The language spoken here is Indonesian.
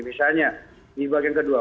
misalnya di bagian kedua